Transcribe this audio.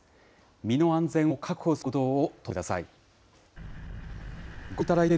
身の安全を確保する行動を取ってください。